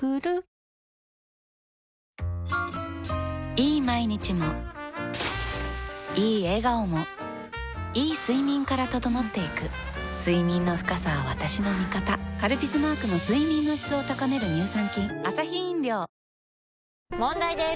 いい毎日もいい笑顔もいい睡眠から整っていく睡眠の深さは私の味方「カルピス」マークの睡眠の質を高める乳酸菌問題です！